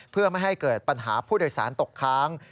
เพื่อไม่ให้เกิดปัญหาผู้โดยสารตกค้าง